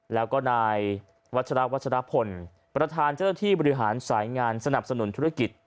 แล้วก็นายวัชราวัชรพลประธานเจ้าหน้าที่บริหารสายงานสนับสนุนธุรกิจ